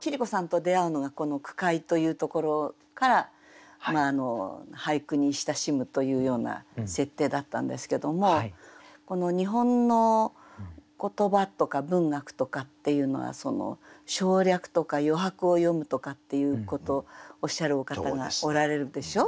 桐子さんと出会うのが句会というところから俳句に親しむというような設定だったんですけどもこの日本の言葉とか文学とかっていうのは省略とか余白を詠むとかっていうことをおっしゃるお方がおられるでしょ？